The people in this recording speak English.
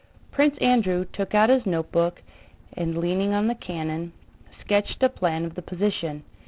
Prince Andrew took out his notebook and, leaning on the cannon, sketched a plan of the position.